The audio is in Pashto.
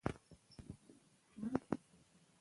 د ماشوم سترګو ته مناسب واټن وساتئ.